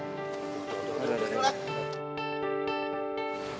itu juga kalau lo berani